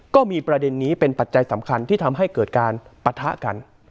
ก็มีประเด็นนี้เป็นปัจจัยสำคัญที่ทำให้เกิดการปะทะกัน